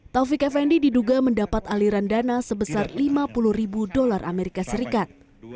taufik effendi diduga mendapat aliran dana sebesar lima puluh ribu dolar amerika serikat